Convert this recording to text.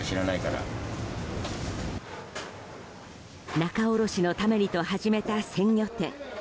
仲卸のためにと始めた鮮魚店。